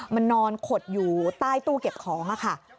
มันนอนขดอยู่ใต้ตู้เก็บของค่ะ